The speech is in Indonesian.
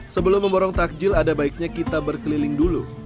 sebelum memborong takjil ada baiknya kita berkeliling dulu